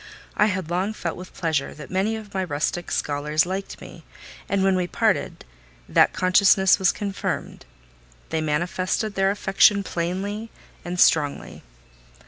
I had long felt with pleasure that many of my rustic scholars liked me, and when we parted, that consciousness was confirmed: they manifested their affection plainly and strongly.